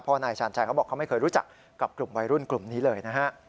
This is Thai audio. เพราะนายชาญชัยเขาบอกเขาไม่เคยรู้จักกับกลุ่มวัยรุ่นกลุ่มนี้เลยนะฮะ